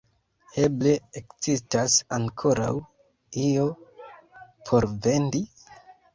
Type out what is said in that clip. Eble ekzistas ankoraŭ io por vendi?